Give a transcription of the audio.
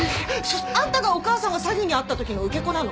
あんたがお義母さんが詐欺に遭った時の受け子なの？